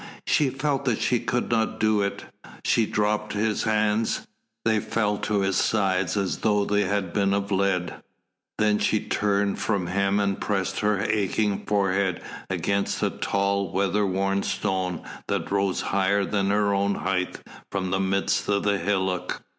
She felt that she could not do it. She dropped his hands. They fell to his sides as though they had been of lead. Then she turned from him and pressed her aching forehead against a tall weather worn stone that rose higher than her own height from the midst of the hillock.